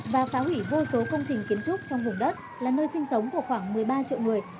và phá hủy vô số công trình kiến trúc trong vùng đất là nơi sinh sống của khoảng một mươi ba triệu người